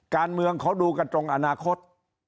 การเมืองเขาดูกันตรงอนาคต